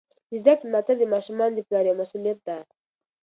د زده کړې ملاتړ د ماشومانو د پلار یوه مسؤلیت ده.